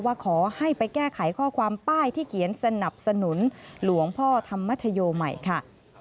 ว่าขอให้ไปแก้ไขข้อความป้ายที่เขียนสนับสนุนหลวงพ่อธรรมชโยใหม่ค่ะ